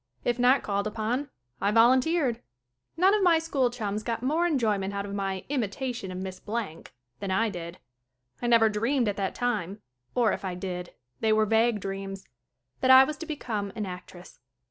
If not called upon I volunteered. None of my school chums got more enjoyment out of my "imitation of Miss Blank" than I did. I never dreamed at that time or, if I did, they were vague dreams that I was to become an actress.